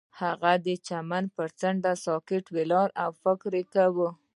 هغه د چمن پر څنډه ساکت ولاړ او فکر وکړ.